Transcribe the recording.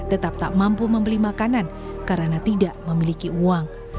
tetap tak mampu membeli makanan karena tidak memiliki uang